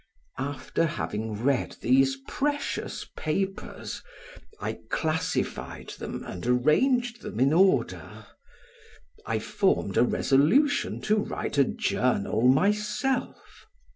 After having read these precious papers I classified them and arranged them in order. I formed a resolution to write a journal myself.